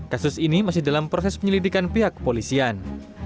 kasus ini masih dalam proses penyelidikan pihak polisian